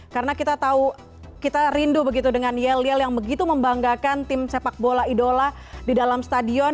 karena kita tahu kita rindu begitu dengan yel yel yang begitu membanggakan tim sepak bola idola di dalam stadion